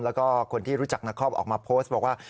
แล้วก็คนที่รู้จักนาคอมออกมาโพสต์บอกว่า